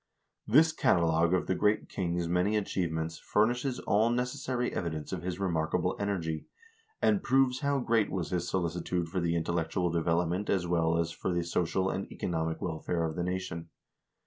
l This catalogue of the great king's many achievements furnishes all necessary evidence of his remarkable energy, and proves how great was his solicitude for the intellectual development as well as for the social and economic welfare of the nation.